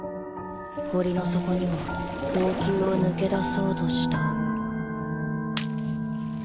堀の底には後宮を抜け出そうとした。